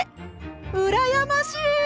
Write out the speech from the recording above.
うらやましい！